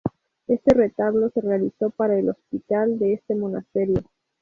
Este retablo se realizó para el hospital de este monasterio.